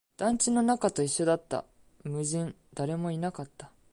団地の中と一緒だった、無人、誰もいなかった